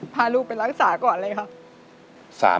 พาลูกไปรักษาก่อนเลยครับ